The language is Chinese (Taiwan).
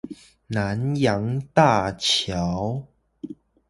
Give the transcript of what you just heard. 南陽大橋